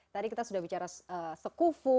tadi kita sudah bicara sekufu